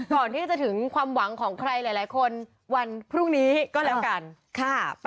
ก่อนที่จะถึงความหวังของใครหลายคนวันพรุ่งนี้ก็แล้วกันค่ะ